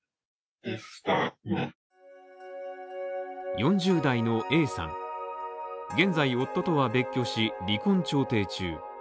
４０代のＡさん、現在夫とは別居し、離婚調停中。